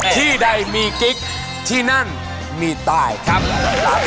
ที่ใดมีกิ๊กที่นั่นมีตายครับ